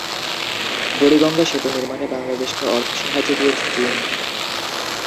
বুড়িগঙ্গা সেতু নির্মাণে বাংলাদেশকে অর্থ সাহায্য দিয়েছে চীন।